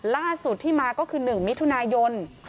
ล่าสุดที่มาก็คือ๑มิถุนายน